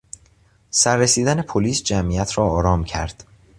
سر رسیدن پلیس جمعیت را آرام کرد.